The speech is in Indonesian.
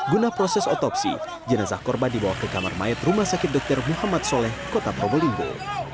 guna proses otopsi jenazah korban dibawa ke kamar mayat rumah sakit dr muhammad soleh kota probolinggo